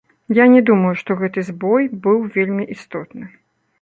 Я не думаю, што гэты збой быў вельмі істотны.